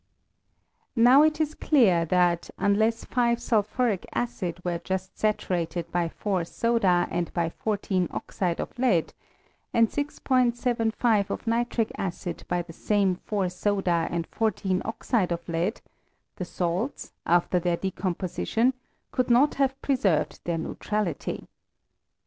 Now it is clear, that unless 5 sulphuric acid were just eatKrated by 4 soda and by 14 oxide of lead; and 6'75 of nitric acid by the same 4 Eoda and 14 oxide of lead, the salts, after their decom position, could not have preserved their neutrality.